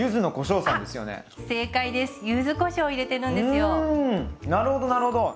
うんなるほどなるほど。